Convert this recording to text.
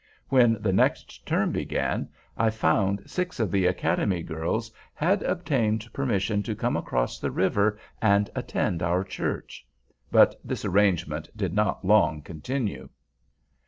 When the next term began, I found six of the Academy girls had obtained permission to come across the river and attend our church. But this arrangement did not long continue.